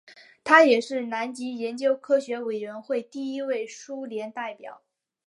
他也是南极研究科学委员会第一位苏联代表。